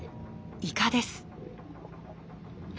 イカです。